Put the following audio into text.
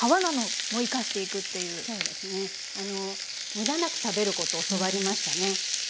むだなく食べることを教わりましたね。